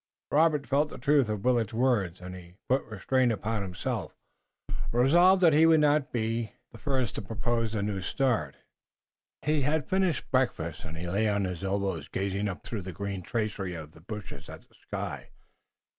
Robert felt the truth of Willet's words, and he put restraint upon himself, resolved that he would not be the first to propose the new start. He had finished breakfast and he lay on his elbow gazing up through the green tracery of the bushes at the sky.